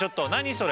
それ。